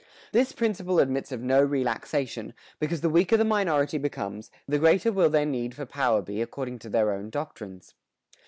This principle admits of no relaxation, because the weaker the minority becomes, the greater will their need for power be according to their own doctrines.